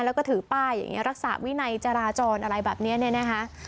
แล้วก็ถือป้ายอย่างนี้รักษาวินัยจราจรอะไรแบบนี้เนี่ยนะคะ